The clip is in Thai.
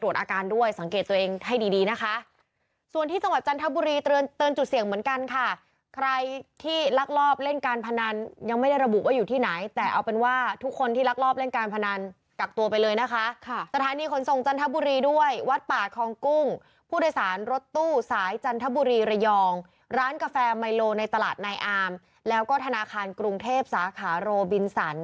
ส่วนที่จังหวัดจันทบุรีเตือนจุดเสี่ยงเหมือนกันค่ะใครที่ลักลอบเล่นการพนันยังไม่ได้ระบุว่าอยู่ที่ไหนแต่เอาเป็นว่าทุกคนที่ลักลอบเล่นการพนันกักตัวไปเลยนะคะค่ะสถานีขนส่งจันทบุรีด้วยวัดป่าคองกุ้งผู้โดยสารรถตู้สายจันทบุรีระยองร้านกาแฟไมโลในตลาดนายอามแล้วก็ธนาคารกรุงเทพสาขาโรบินสัน